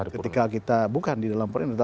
ketika kita bukan di dalam perintah